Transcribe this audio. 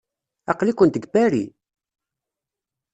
Aql-ikent deg Paris?